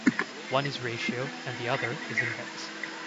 One is ratio and the other is index.